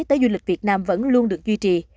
tới du lịch việt nam vẫn luôn được duy trì